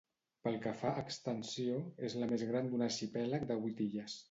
Pel que fa a extensió, és la més gran d'un arxipèlag de vuit illes.